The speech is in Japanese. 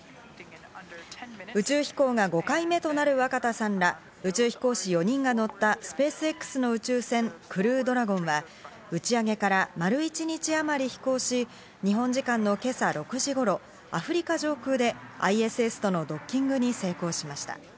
宇宙飛行が５回目となる若田さんら、宇宙飛行士４人を乗ったスペースＸの宇宙船クルードラゴンは打ち上げから丸一日あまり飛行し、日本時間の今朝６時頃、アフリカ上空でＩＳＳとのドッキングに成功しました。